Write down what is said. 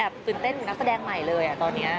แอบตื่นเต้นอย่างนักแสดงใหม่เลยตอนนี้